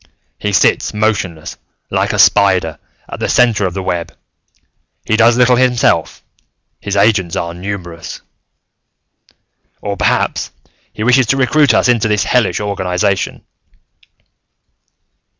He sits motionless, like a spider, at the center of the web; he does little himself; his agents are numerous. "Or, perhaps, he wishes to recruit us into this hellish organization."